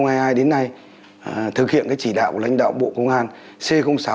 ngay từ đầu năm hai nghìn hai mươi hai đến nay thực hiện chỉ đạo của lãnh đạo bộ công an c sáu